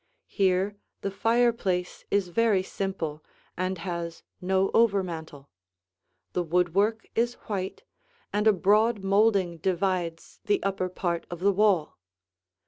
Here the fireplace is very simple and has no over mantel. The woodwork is white, and a broad molding divides the upper part of the wall.